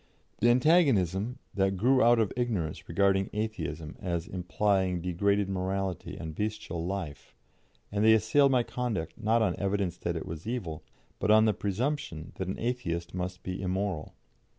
The antagonism that grew out of ignorance regarded Atheism as implying degraded morality and bestial life, and they assailed my conduct not on evidence that it was evil, but on the presumption that an Atheist must be immoral.